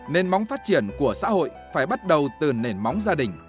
nền móng phát triển của xã hội phải bắt đầu từ nền móng